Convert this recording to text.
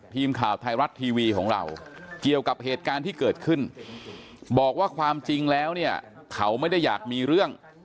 ทีมข่าวไทยรัฐทีวีของเราเกี่ยวกับเหตุการณ์ที่เกิดขึ้นบอกว่าความจริงแล้วเนี่ยเขาไม่ได้อยากมีเรื่อง